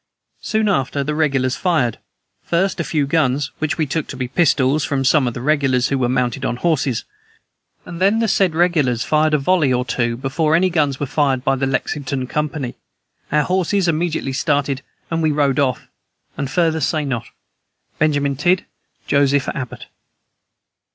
Soon after, the regulars fired, first, a few guns, which we took to be pistols from some of the regulars who were mounted on horses, and then the said regulars fired a volley or two before any guns were fired by the Lexington company; our horses immediately started, and we rode off. And further say not. "BENJAMIN TIDD, JOSEPH ABBOT."